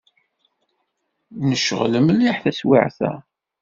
Necɣel mliḥ taswiεt-a.